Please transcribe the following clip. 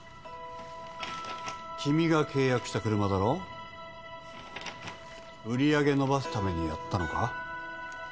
君が契約した車だろ売り上げ伸ばすためにやったのか？